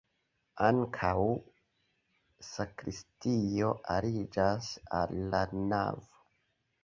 Ankaŭ sakristio aliĝas al la navo.